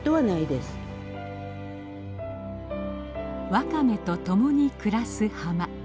ワカメと共に暮らす浜。